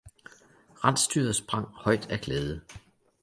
Rensdyret sprang højt af glæde.